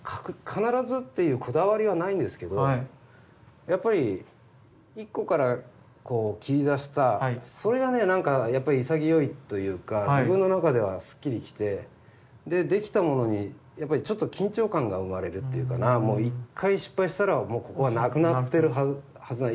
必ずっていうこだわりはないんですけどやっぱり一個から切り出したそれがねなんかやっぱり潔いというか自分の中ではすっきりきてで出来たものにやっぱりちょっと緊張感が生まれるっていうかな一回失敗したらここはなくなってるはずだ。